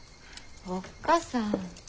おっ母さん。